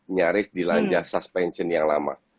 nyaris dilanja suspension yang lama